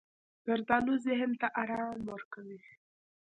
زردالو ذهن ته ارام ورکوي.